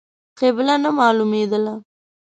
قبله نه مالومېدله.